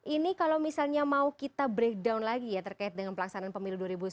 ini kalau misalnya mau kita breakdown lagi ya terkait dengan pelaksanaan pemilu dua ribu sembilan belas